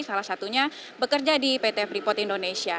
salah satunya bekerja di pt freeport indonesia